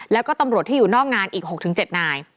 แล้วก็ตำรวจที่อยู่นอกงานอีก๖๗นาย